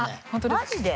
マジで？